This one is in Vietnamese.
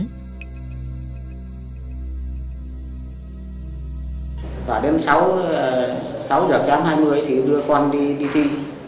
khoảng đến sáu giờ ba mươi phút thì đưa con đi thi